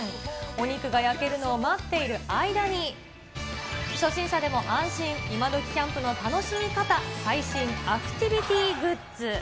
お肉が焼けるのを待っている間に、初心者でも安心、イマドキキャンプの楽しみ方、最新アクティビティグッズ。